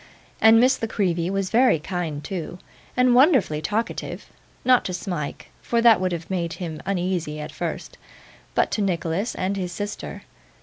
And Miss La Creevy was very kind too, and wonderfully talkative: not to Smike, for that would have made him uneasy at first, but to Nicholas and his sister.